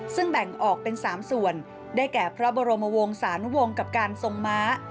ซึ่งแบ่งออกเป็น๓ส่วนได้แก่พระบรมวงศาลวงศ์กับการทรงม้า